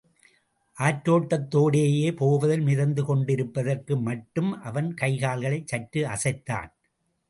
ஆற்றோட்டத் தோடேயே போவதில் மிதந்துகொண்டிருப்பதற்கு மட்டும் அவன் கைகால்களைச் சற்று அசைத்தான்.